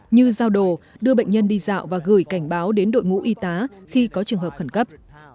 như giao đồ đưa bệnh nhân đi dạo và gửi cảnh báo đến đội ngũ y tá khi có trường hợp khẩn cấp